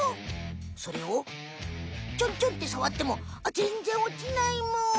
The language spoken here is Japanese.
それをちょんちょんってさわってもぜんぜんおちないむ。